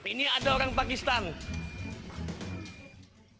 ini ada orang pakistan